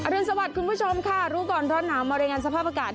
อรุณสวัสดิ์คุณผู้ชมค่ะ